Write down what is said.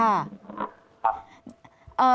ครับ